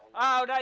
nah udah ikut